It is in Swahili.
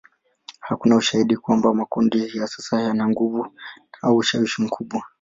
Hakuna ushahidi kwamba makundi ya sasa yana nguvu au ushawishi mkubwa.